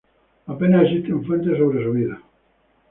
Apenas existen fuentes sobre su vida.